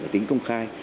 tính công khai